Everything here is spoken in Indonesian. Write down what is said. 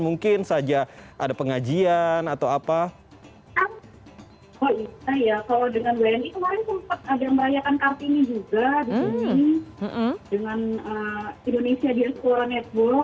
mungkin saja ada pengajian atau apa kalau dengan wni ada merayakan kartini juga dengan indonesia